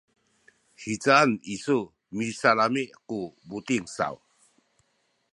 hicaen isu misalami’ ku buting saw?